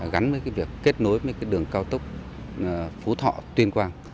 gắn với việc kết nối với đường cao tốc phú thọ tuyên quang